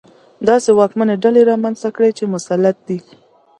داسې واکمنې ډلې رامنځته کړي چې مسلط دي.